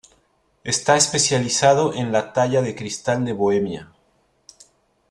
Está especializado en la talla de cristal de Bohemia.